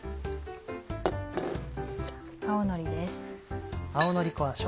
青のりです。